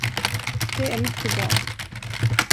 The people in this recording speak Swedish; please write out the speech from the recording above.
Det är mycket bra.